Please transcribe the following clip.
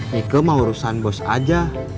nike mau urusan bos aja